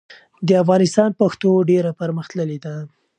د افغانستان پښتو ډېره پرمختللې ده.